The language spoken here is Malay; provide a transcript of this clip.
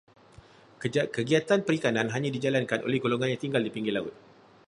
Kegiatan perikanan hanya dijalankan oleh golongan yang tinggal di pinggir laut.